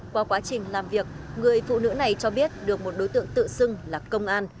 qua quá trình làm việc người phụ nữ này cho biết được một đối tượng tự xưng là công an